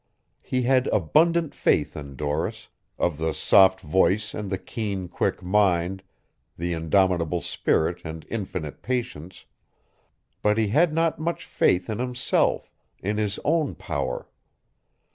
He had abundant faith in Doris of the soft voice and the keen, quick mind, the indomitable spirit and infinite patience but he had not much faith in himself, in his own power.